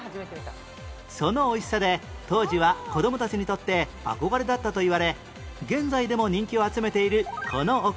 その美味しさで当時は子どもたちにとって憧れだったといわれ現在でも人気を集めているこのお菓子の名前は？